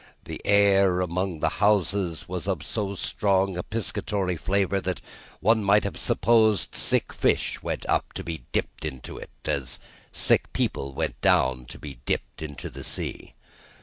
The air among the houses was of so strong a piscatory flavour that one might have supposed sick fish went up to be dipped in it, as sick people went down to be dipped in the sea.